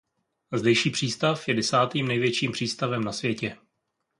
Zdejší přístav je desátým největším přístavem na světě.